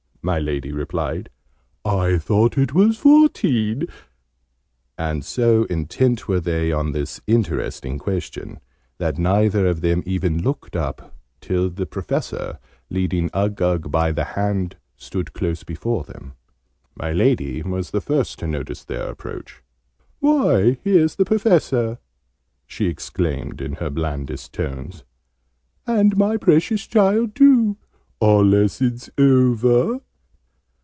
my Lady replied. "I thought it was fourteen!" And, so intent were they on this interesting question, that neither of them even looked up till the Professor, leading Uggug by the hand, stood close before them. My Lady was the first to notice their approach. "Why, here's the Professor!" she exclaimed in her blandest tones. "And my precious child too! Are lessons over?"